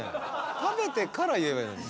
食べてから言えばいいのに。